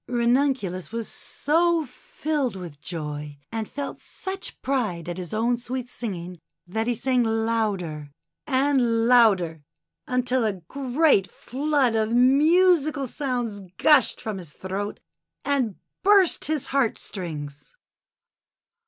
Ranun culus was so filled with joy, and felt such pride at his own sweet singing, that he sang louder and louder, until a great flood of musical sounds gushed from his throat and burst his heart strings.